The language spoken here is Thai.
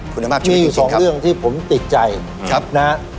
คุณอำมาตย์ช่วยด้วยจริงครับพี่บุ๋มนี่คือของเรื่องที่ผมติดใจ